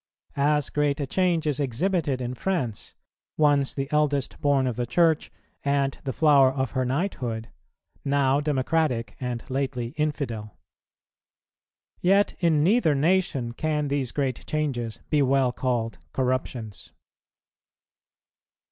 As great a change is exhibited in France, once the eldest born of the Church and the flower of her knighthood, now democratic and lately infidel. Yet, in neither nation, can these great changes be well called corruptions.